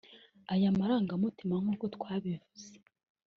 Aya marangamutima nk’uko twabivuze